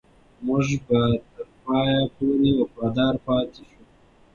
موږ به تر پایه پورې وفادار پاتې شو.